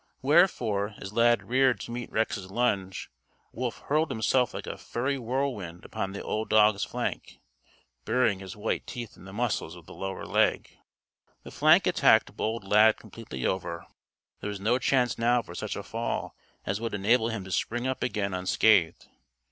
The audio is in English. Wherefore, as Lad reared to meet Rex's lunge, Wolf hurled himself like a furry whirlwind upon the old dog's flank, burying his white teeth in the muscles of the lower leg. The flank attack bowled Lad completely over. There was no chance now for such a fall as would enable him to spring up again unscathed.